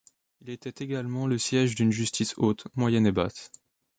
Il était également le siège d'une justice haute, moyenne et basse.